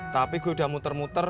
tapi gue udah muter